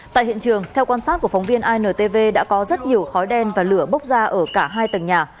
tại hiện trường theo quan sát của phóng viên intv đã có rất nhiều khói đen và lửa bốc ra ở cả hai tầng nhà